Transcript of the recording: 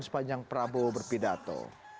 sepanjang prabowo berpidato